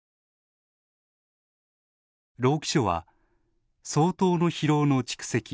労基署は、相当の疲労の蓄積